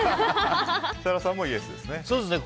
設楽さんもイエスですね。